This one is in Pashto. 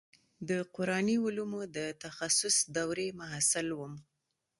د قراني علومو د تخصص دورې محصل وم.